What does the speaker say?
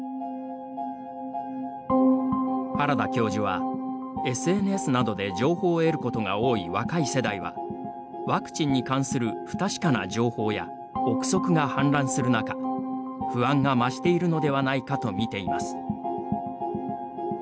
原田教授は、ＳＮＳなどで情報を得ることが多い若い世代はワクチンに関する不確かな情報や臆測が氾濫する中不安が増しているのではないかと見ています。